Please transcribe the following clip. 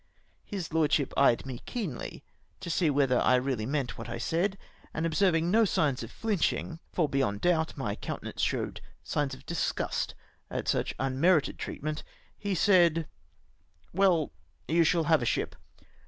His lordship eyed me keenly, to see whether I really meant what I said, and observing no signs of flinching, — for beyond doubt my countenance showed signs of disgust at such unmerited treatment, — he said, " Well, you shall have a ship.